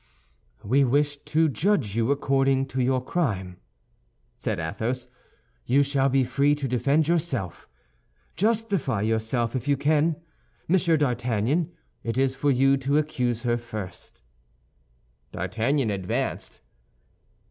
"We wish to judge you according to your crime," said Athos; "you shall be free to defend yourself. Justify yourself if you can. M. d'Artagnan, it is for you to accuse her first." D'Artagnan advanced.